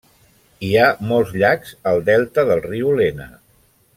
Hi ha molts llacs al delta del riu Lena.